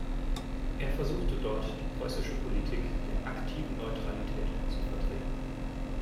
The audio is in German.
Er versuchte dort die preußische Politik der „aktiven Neutralität“ zu vertreten.